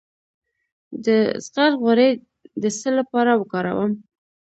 د زغر غوړي د څه لپاره وکاروم؟